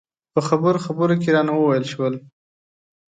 په خبرو خبرو کې رانه وویل شول.